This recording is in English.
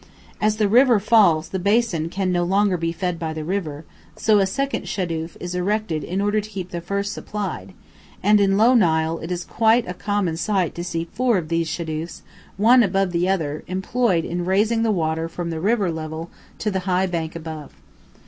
As the river falls the basin can no longer be fed by the river, so a second "shadūf" is erected in order to keep the first supplied, and in low Nile it is quite a common sight to see four of these "shadūfs," one above the other, employed in raising the water from the river level to the high bank above.